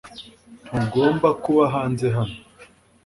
Ntugomba kuba hanze hano